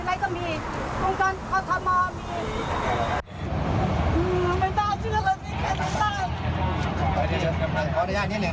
มันมีไหมตำรวจมาร้านหนูร้านหนูตาย